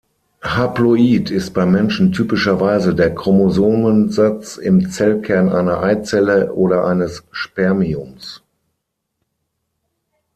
Haploid ist beim Menschen typischerweise der Chromosomensatz im Zellkern einer Eizelle oder eines Spermiums.